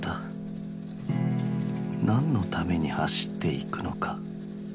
何のために走って行くのか。